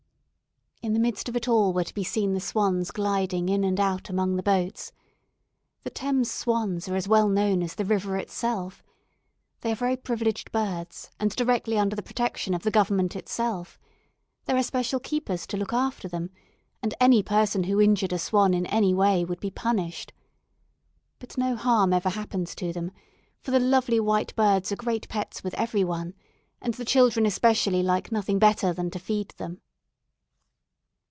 In the midst of it all were to be seen the swans gliding in and out among the boats. The Thames swans are as well known as the river itself. They are very privileged birds and directly under the protection of the government itself. There are special keepers to look after them, and any person who injured a swan in any way would be punished. But no harm ever happens to them, for the lovely white birds are great pets with every one, and the children especially like nothing better than to feed them.